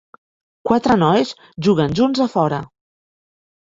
Quatre nois juguen junts a fora.